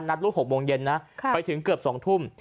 นัดลูกหกโมงเย็นนะฮะไปถึงเกือบสองทุ่ม